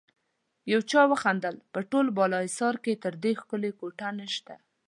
يو چا وخندل: په ټول بالاحصار کې تر دې ښکلی کوټه نشته.